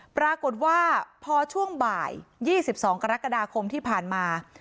ปรากฏว่าพอช่วงบ่าย๒๒กรกฎาคมที่ผ่านมา